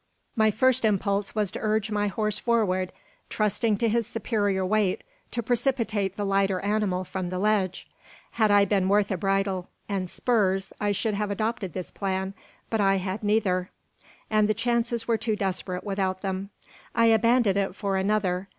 My first impulse was to urge my horse forward, trusting to his superior weight to precipitate the lighter animal from the ledge. Had I been worth a bridle and spurs, I should have adopted this plan; but I had neither, and the chances were too desperate without them. I abandoned it for another.